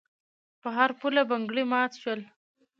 په هر پوله بنګړي مات شول.